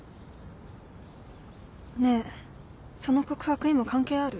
ねえその告白今関係ある？